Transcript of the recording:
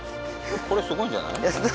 これすごいんじゃない？